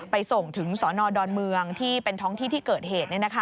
ส่งถึงสนดอนเมืองที่เป็นท้องที่ที่เกิดเหตุ